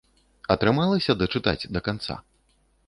Атрымалася дачытаць да канца?